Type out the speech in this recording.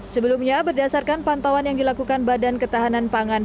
sebelumnya berdasarkan pantauan yang dilakukan badan ketahanan pangan